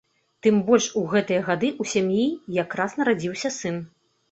Тым больш у гэтыя гады ў сям'і якраз нарадзіўся сын.